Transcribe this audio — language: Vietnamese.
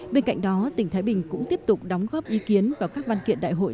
bên cạnh đó tỉnh thái bình cũng tiếp tục đóng góp ý kiến vào các văn kiện đại hội